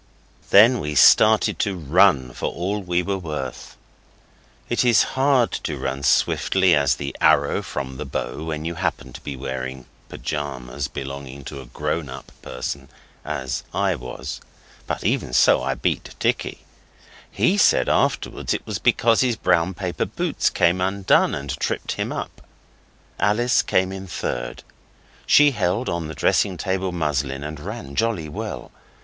Then we started to run for all we were worth. It is hard to run swiftly as the arrow from the bow when you happen to be wearing pyjamas belonging to a grown up person as I was but even so I beat Dicky. He said afterwards it was because his brown paper boots came undone and tripped him up. Alice came in third. She held on the dressing table muslin and ran jolly well.